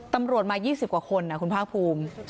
ตำรวจมา๒๐กว่าคนนะคุณภาคภูมิ